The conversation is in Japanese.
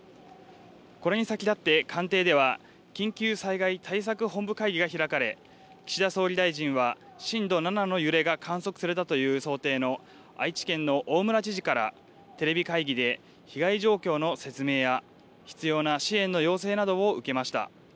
これに先立って官邸では緊急災害対策本部会議が開かれ岸田総理大臣は震度７の揺れが観測されたという想定の愛知県の大村知事からテレビ会議で被害状況の説明や必要な支援の要請などを受けました。